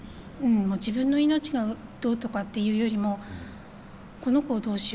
自分の命がどうとかっていうよりもこの子をどうしようって。